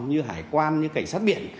như hải quan như cảnh sát biển